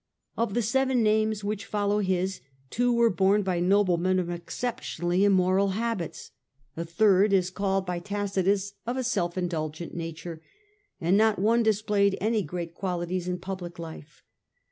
Of the seven names which follow his, two were borne by noble men ot exceptionally immoral habits, a third is called 156 The Age of the Antojmies. ch. vii. by Tacitus of a self indulgent nature, and not one dis played any great qualities in public life.